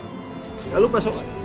jangan lupa sholat